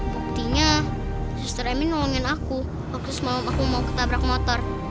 buktinya sester emi nolongin aku waktu semalam aku mau ketabrak motor